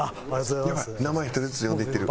名前１人ずつ呼んでいってる。